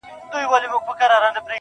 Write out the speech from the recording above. صدقه نه، په څو ـ څو ځلې صدقان وځي,